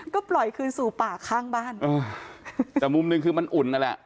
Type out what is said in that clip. ก็ปล่อยคืนสู่ป่าข้างบ้านเออแต่มุมหนึ่งคือมันอุ่นนั่นแหละ